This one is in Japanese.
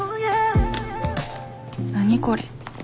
何これ。